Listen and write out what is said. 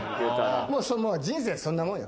もうそれ、人生そんなもんよ。